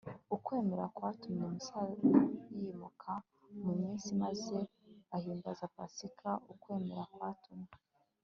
ukwemera kwatumye musa yimuka mu misiri maze ahimbaza pasika. ukwemera kwatumye